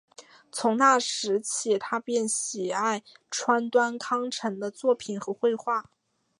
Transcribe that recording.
从那时起他便喜爱川端康成的作品和绘画。